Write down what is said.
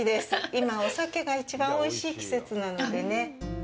今、お酒が一番おいしい季節なのでね。